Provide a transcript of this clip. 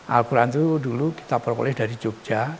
al quran itu dulu kita peroleh dari jogja